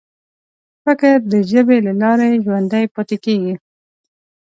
فکر د ژبې له لارې ژوندی پاتې کېږي.